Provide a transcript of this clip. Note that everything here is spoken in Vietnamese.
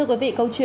đã nhanh chóng